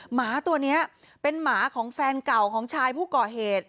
หมาตัวนี้เป็นหมาของแฟนเก่าของชายผู้ก่อเหตุ